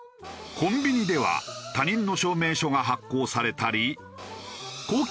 コンビニでは他人の証明書が発行されたり公金